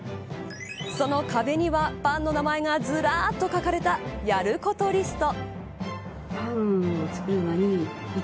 その壁にはパンの名前がずらっと書かれたやることリスト。